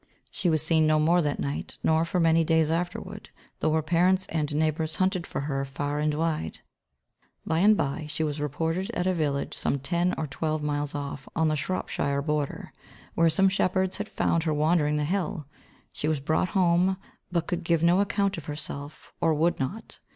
She was seen no more that night, nor for many days afterward, though her parents and neighbours hunted her far and wide. By and by she was reported at a village some ten or twelve miles off on the Shropshire border, where some shepherds had found her wandering the hill. She was brought home but could give no good account of herself, or would not.